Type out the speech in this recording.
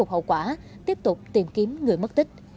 hậu quả tiếp tục tìm kiếm người mất tích